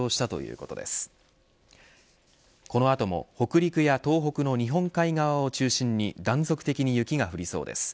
この後も、北陸や東北の日本海側を中心に断続的に雪が降りそうです。